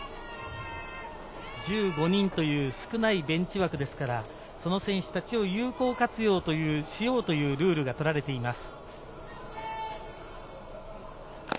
１５人という少ないベンチ枠ですから、その選手たちを有効活用しようというルールが取られています。